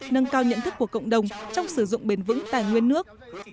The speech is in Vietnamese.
nâng cao nhận thức của cộng đồng trong sử dụng bền vững tài nguyên nước